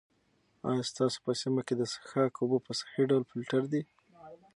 آیا ستاسو په سیمه کې د څښاک اوبه په صحي ډول فلټر دي؟